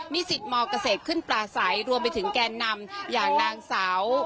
นิสิตมเกษตรขึ้นปลาใสรวมไปถึงแกนนำอย่างนางสาว